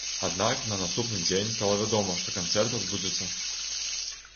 Аднак на наступны дзень стала вядома, што канцэрт адбудзецца.